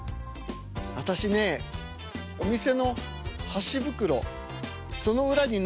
私ねお店の箸袋その裏にね